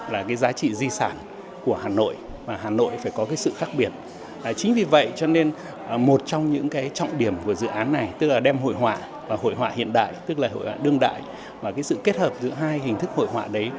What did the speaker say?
và sự kết hợp giữa hai hình thức hội họa đấy